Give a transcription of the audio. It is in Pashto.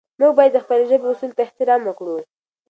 موږ باید د خپلې ژبې اصولو ته احترام وکړو.